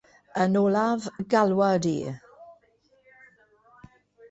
Yn olaf, galwad i.